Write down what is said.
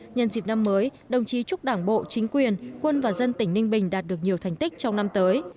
nhân dịp năm mới đồng chí chúc đảng bộ chính quyền quân và dân tỉnh ninh bình đạt được nhiều thành tích trong năm tới